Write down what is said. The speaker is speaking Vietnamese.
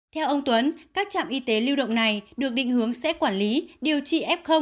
theo ông tuấn các trạm y tế lưu động này được định hướng sẽ quản lý điều trị f